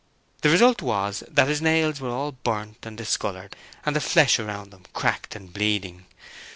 The result was that his nails were all burnt and discoloured and the flesh round them cracked and bleeding.